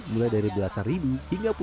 mulai dari seratus gram hingga satu kilogram